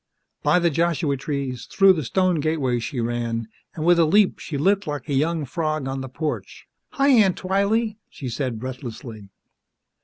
By the Joshua trees, through the stone gateway she ran, and with a leap she lit like a young frog on the porch. "Hi, Aunt Twylee!" she said breathlessly.